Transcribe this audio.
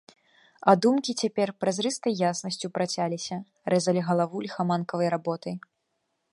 А думкі цяпер празрыстай яснасцю працяліся, рэзалі галаву ліхаманкавай работай.